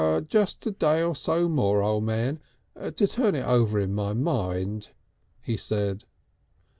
"Just a day or so more, O' Man to turn it over in my mind," he said.